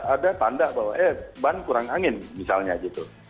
ada tanda bahwa eh ban kurang angin misalnya gitu